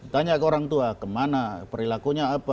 tanya ke orang tua kemana perilakunya apa